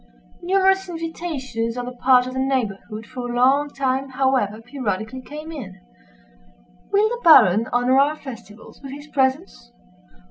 Numerous invitations on the part of the neighborhood for a long time, however, periodically came in. "Will the Baron honor our festivals with his presence?"